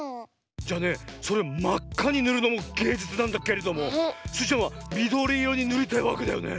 じゃあねそれをまっかにぬるのもげいじゅつなんだけれどもスイちゃんはみどりいろにぬりたいわけだよね？